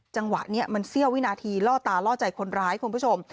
จังหวะนี้มันเสี้ยววินาทีล่อตาล่อใจคนร้ายคุณผู้ชม